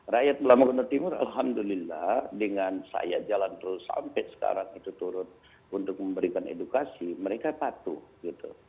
rakyat bela magono timur alhamdulillah dengan saya jalan terus sampai sekarang itu turut untuk memberikan edukasi mereka patuh gitu